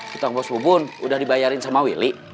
hutang bos bubun udah dibayarin sama willy